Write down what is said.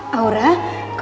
biar buati gak khawatir